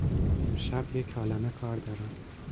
امشب یک عالمه کار دارم.